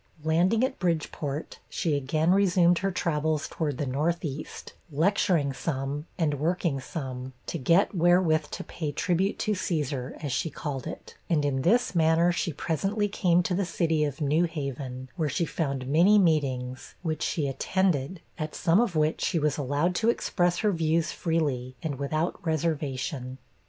Landing at Bridgeport, she again resumed her travels towards the north east, lecturing some, and working some, to get wherewith to pay tribute to Caesar, as she called it; and in this manner she presently came to the city of New Haven, where she found many meetings, which she attended at some of which, she was allowed to express her views freely, and without reservation.